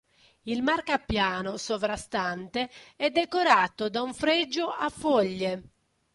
Il marcapiano sovrastante è decorato da un fregio a foglie.